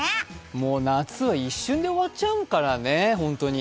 もう夏は一瞬で終わっちゃうからね、ほんとに。